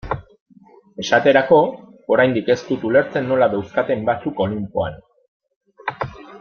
Esaterako, oraindik ez dut ulertzen nola dauzkaten batzuk Olinpoan.